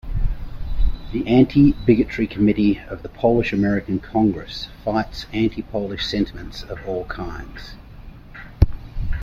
The Anti-Bigotry Committee of the Polish American Congress fights anti-Polish sentiment of all kinds.